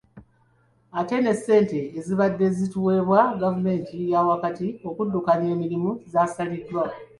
Ate ne ssente ezibadde zituweebwa gavumenti eyaawakati okuddukanya emirimu zaasaliddwa.